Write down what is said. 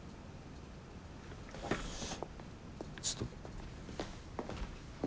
ちょっと。